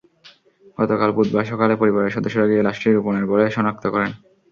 গতকাল বুধবার সকালে পরিবারের সদস্যরা গিয়ে লাশটি রূপনের বলে শনাক্ত করেন।